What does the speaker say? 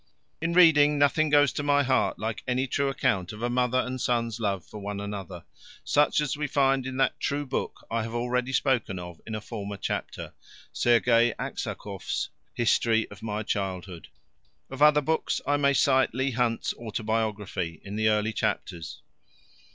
In reading, nothing goes to my heart like any true account of a mother and son's love for one another, such as we find in that true book I have already spoken of in a former chapter, Serge Aksakoff's History of my Childhood. Of other books I may cite Leigh Hunt's Autobiography in the early chapters.